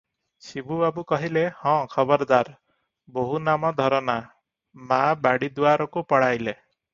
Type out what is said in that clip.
ଶିବୁବାବୁ କହିଲେ, "ହଁ ଖବରଦାର, ବୋହୂ ନାମ ଧର ନା!" ମା ବାଡ଼ି ଦୁଆରକୁ ପଳାଇଲେ ।